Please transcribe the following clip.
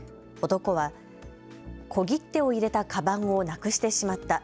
男は小切手を入れたかばんをなくしてしまった。